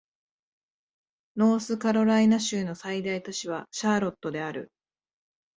ノースカロライナ州の最大都市はシャーロットである